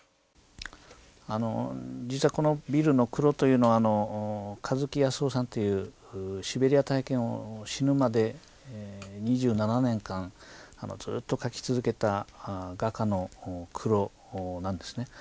実はこのビルの黒というのは香月泰男さんというシベリア体験を死ぬまで２７年間ずっと描き続けた画家の黒なんですね。